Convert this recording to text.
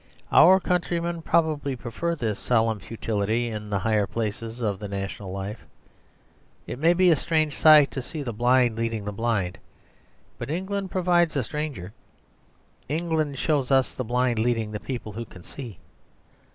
Our countrymen probably prefer this solemn futility in the higher places of the national life. It may be a strange sight to see the blind leading the blind; but England provides a stranger. England shows us the blind leading the people who can see.